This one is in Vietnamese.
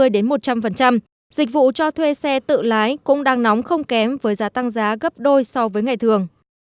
dịch vụ cho thuê xe tự lái cũng đang nóng không kém với giá tăng giá gấp đôi so với ngày thường